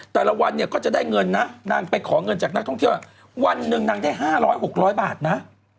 แต่ละวันเนี่ยก็จะได้เงินนะนางไปขอเงินจากนักท่องเที่ยววันหนึ่งนางได้๕๐๐๖๐๐บาทนะ